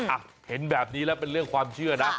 อ่ะเห็นแบบนี้แล้วเป็นเรื่องความเชื่อนะ